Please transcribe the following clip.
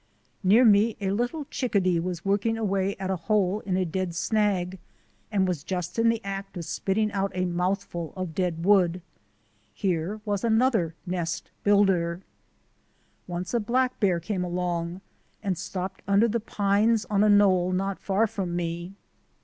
Near me a little chick adee was working away at a hole in a dead snag and was just in the act of spitting out a mouthful of dead wood. Here was another nest builder. Once a black bear came along and stopped under the pines on a knoll not far from me.